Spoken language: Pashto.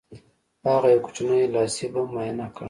هغه یو کوچنی لاسي بم معاینه کړ